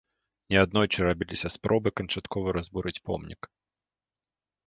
Неаднойчы рабіліся спробы канчаткова разбурыць помнік.